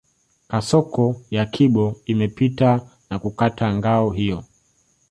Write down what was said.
Kasoko ya kibo imepita na kukata ngao hiyo